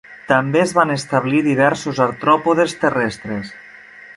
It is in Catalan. També es van establir diversos artròpodes terrestres.